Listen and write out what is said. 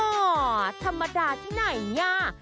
โง่ธรรมดาที่ไหนเนี่ย